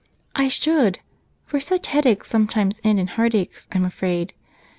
"I should, for such headaches sometimes end in heartaches, I'm afraid.